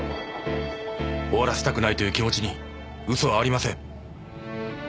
終わらせたくないという気持ちに嘘はありません。